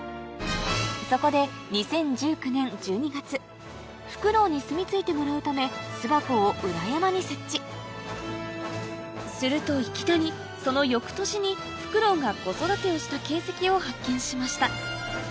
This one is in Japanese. そこでフクロウにすみ着いてもらうため裏山にするといきなりその翌年にフクロウが子育てをした形跡を発見しました